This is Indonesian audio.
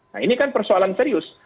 nah ini kan persoalan serius